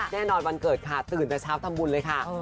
แน่นอนวันเกิดค่ะตื่นแต่เช้าทำบุญเลยค่ะ